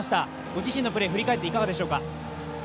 御自身のプレーを振り返っていかがでしょうか。